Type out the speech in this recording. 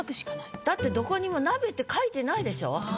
だってどこにも「鍋」って書いてないでしょ？